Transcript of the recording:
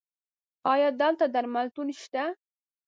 ایا دلته درملتون شته؟